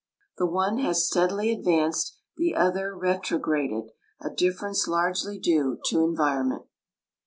The one has steadily advanced, the other retrograded, a difference largely due to environment.